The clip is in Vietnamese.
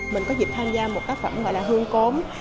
mình có dịp tham gia một tác phẩm gọi là hương cốm